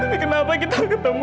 tapi kenapa kita ketemu